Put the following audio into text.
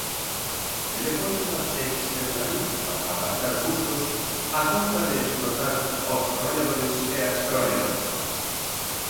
Telefónica externaliza para abaratar custos á conta de explotar os traballadores e as traballadoras.